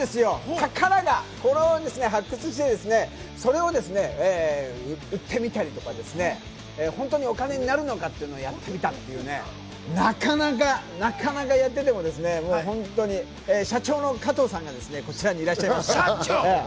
宝が、これを発掘してそれを売ってみたり、本当にお金になるのかをやってみたり、なかなかやっていて、もう本当に社長の加藤さんがこちらにいらっしゃいます。